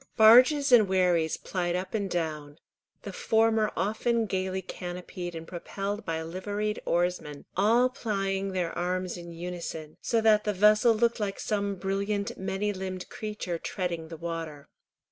Barges and wherries plied up and down, the former often gaily canopied and propelled by liveried oarsmen, all plying their arms in unison, so that the vessel looked like some brilliant many limbed creature treading the water.